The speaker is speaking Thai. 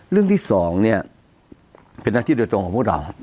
เรื่องที่สองครับ